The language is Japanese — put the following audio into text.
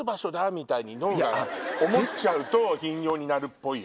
みたいに脳が思うと頻尿になるっぽいよ。